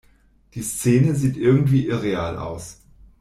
Die Szene sieht irgendwie irreal aus.